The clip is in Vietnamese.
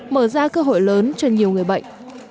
mở ra cơ hội lớn cho nhiều người bệnh